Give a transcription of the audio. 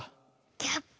キャップ。